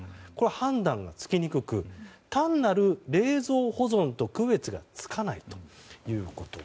判断がつきにくく単なる冷蔵保存と区別がつかないということ。